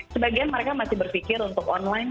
sebagian mereka masih berpikir untuk online